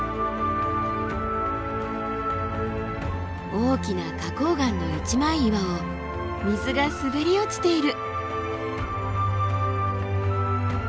大きな花崗岩の一枚岩を水が滑り落ちている。